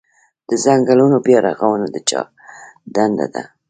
د ځنګلونو بیا رغونه د چا دنده ده؟